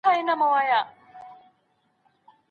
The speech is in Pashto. په قلم لیکنه کول د ځمکي پر سر د انسان د خلافت نښه ده.